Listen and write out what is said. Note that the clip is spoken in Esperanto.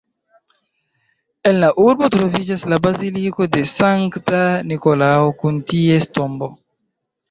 En la urbo troviĝas la baziliko de Sankta Nikolao kun ties tombo.